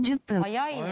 早いね。